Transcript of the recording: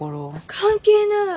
関係ない！